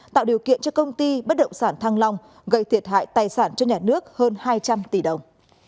tạo điều kiện cho công ty bất động sản thăng long gây thiệt hại tài sản cho nhà nước hơn hai trăm linh tỷ đồng